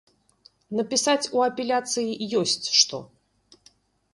Напісаць у апеляцыі ёсць што.